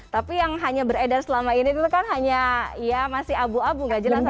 tapi yang hanya beredar selama ini itu kan hanya ya masih abu abu nggak jelas